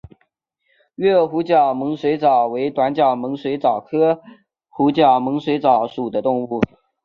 鱼饵湖角猛水蚤为短角猛水蚤科湖角猛水蚤属的动物。